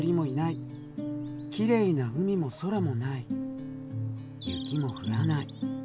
きれいな海も空もない雪も降らない。